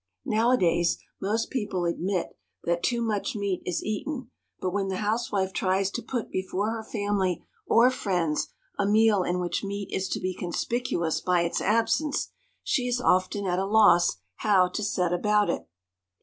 Nowadays most people admit that "too much meat is eaten"; but when the housewife tries to put before her family or friends a meal in which meat is to be conspicuous by its absence, she is often at a loss how to set about it.